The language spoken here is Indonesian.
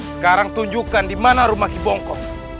sekarang tunjukkan di mana rumah hibongkong